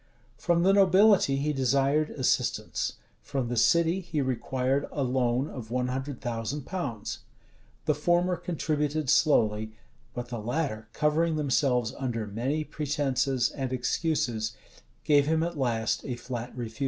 From the nobility he desired assistance: from the city he required a loan of one hundred thousand pounds. The former contributed slowly; but the latter, covering themselves under many pretences and excuses, gave him at last a flat refusal.